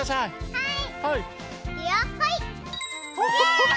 はい！